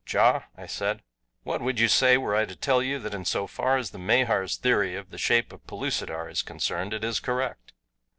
"Ja," I said, "what would you say were I to tell you that in so far as the Mahars' theory of the shape of Pellucidar is concerned it is correct?"